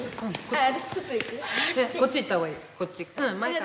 こっち行ったほうがいい。